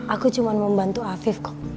aku cuma membantu afif kok